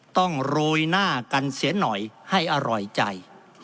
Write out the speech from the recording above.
โรยหน้ากันเสียหน่อยให้อร่อยใจ